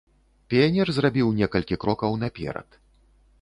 Піянер зрабіў некалькі крокаў наперад.